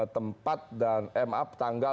tempat dan ma petangga